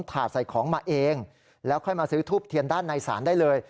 ถาดใส่ของมาเองแล้วค่อยมาซื้อทูบเทียนด้านในศาลได้เลย